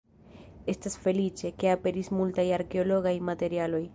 Estas feliĉe, ke aperis multaj arkeologaj materialoj.